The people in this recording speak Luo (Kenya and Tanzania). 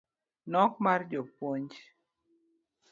nok mar jopuonj